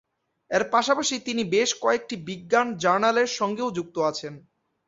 এর পাশাপাশি তিনি বেশ কয়েকটি বিজ্ঞান জার্নালের সঙ্গেও যুক্ত আছেন।